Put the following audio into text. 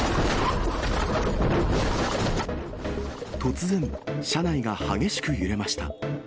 突然、車内が激しく揺れました。